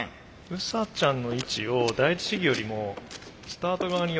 ウサちゃんの位置を第一試技よりもスタート側に寄せてる。